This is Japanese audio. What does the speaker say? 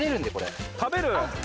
食べる？